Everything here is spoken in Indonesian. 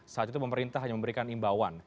saat itu pemerintah hanya memberikan imbauan